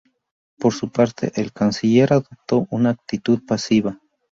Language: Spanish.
Por su parte, el canciller adoptó una actitud pasiva.